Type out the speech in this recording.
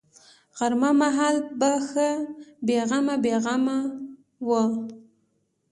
غرمه مهال به ښه بې غمه بې غمه وه.